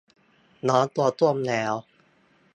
น้องตัวส้มแล้ว